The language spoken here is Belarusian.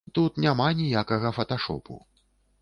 Тут няма ніякага фаташопу.